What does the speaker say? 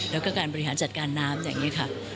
แล้วก็การบริหารจัดการน้ำอย่างนี้ค่ะ